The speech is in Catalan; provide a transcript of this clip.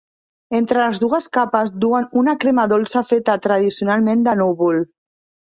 Entre les dues capes, duen una crema dolça feta tradicionalment de núvol.